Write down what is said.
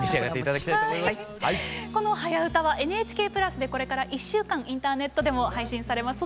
この「はやウタ」はＮＨＫ＋でこれから１週間インターネットでも配信されます。